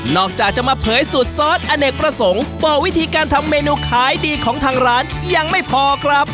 อกจากจะมาเผยสูตรซอสอเนกประสงค์บอกวิธีการทำเมนูขายดีของทางร้านยังไม่พอครับ